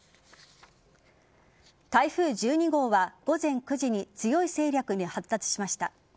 台風１２号は午前９時に強い勢力に発達しました。